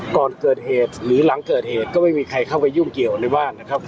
ก่อนเกิดเหตุหรือหลังเกิดเหตุก็ไม่มีใครเข้าไปยุ่งเกี่ยวในบ้านนะครับ